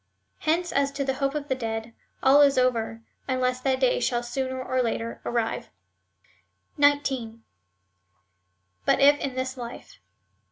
Hence as to the hope of the dead, all is over, unless that day shall sooner or later arrive. 19. But if 171 this life.